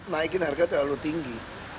naikin harga terlalu tinggi